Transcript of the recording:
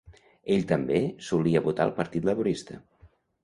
Ell també solia votar el partit laborista.